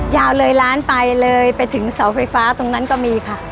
ยาวเลยร้านไปเลยไปถึงเสาไฟฟ้าตรงนั้นก็มีค่ะ